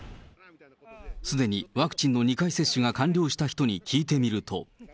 すでにワクチンの２回接種が完了した人に聞いてみると。